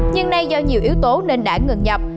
nhưng nay do nhiều yếu tố nên đã ngừng nhập